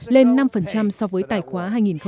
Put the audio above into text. lên năm so với tài khoá hai nghìn một mươi tám